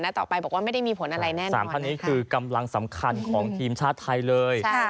ต่อไปบอกว่าไม่ได้มีผลอะไรแน่นอน๓ท่านนี้คือกำลังสำคัญของทีมชาติไทยเลย